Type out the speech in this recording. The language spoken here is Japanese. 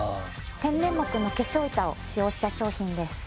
天然木の化粧板を使用した商品です